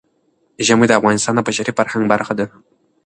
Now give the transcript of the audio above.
ژمی د افغانستان د بشري فرهنګ برخه ده.